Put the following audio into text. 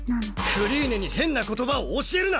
クリーネに変な言葉を教えるな！